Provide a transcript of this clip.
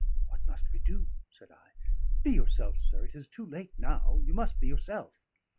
"What must we do?" said I. "Be yourself, sir. It is too late now: you must be yourself."